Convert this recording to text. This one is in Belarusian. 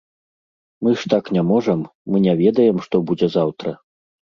Мы ж так не можам, мы не ведаем, што будзе заўтра.